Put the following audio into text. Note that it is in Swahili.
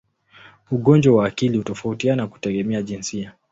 Ugonjwa wa akili hutofautiana kutegemea jinsia.